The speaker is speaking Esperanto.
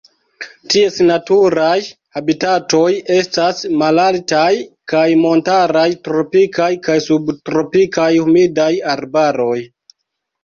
Ties naturaj habitatoj estas malaltaj kaj montaraj tropikaj kaj subtropikaj humidaj arbaroj.